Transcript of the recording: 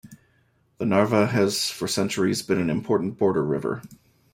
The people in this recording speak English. The Narva has for centuries been an important border river.